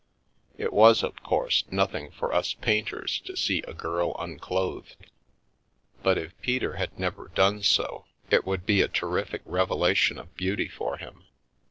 It was, of course, nothing for us painters to see a girl unclothed, but if Peter had never done so it would be a terrific revela tion of beauty for him.